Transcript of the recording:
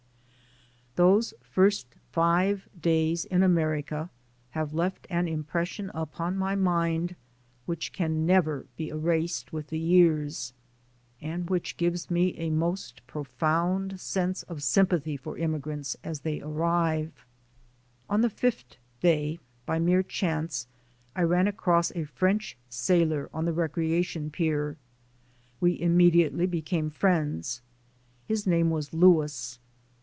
Those first five days in America have left an impression upon my mind which can never be erased with the years, and which gives me a most profound sense of sympathy for immigrants as they arrive. IN THE AMERICAN STOEM 75 On the fifth day, by mere chance, I ran across a French sailor on the recreation pier. We imme diately became friends. His name was Louis.